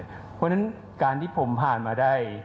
เพราะฉะนั้นการที่ผมผ่านมาได้